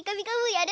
やる？